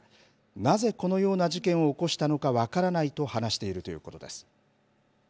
なぜこのような事件を起こしたのか分からないと話しているということです。